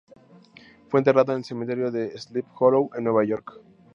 Fue enterrado en el cementerio de Sleepy Hollow, en Nueva York.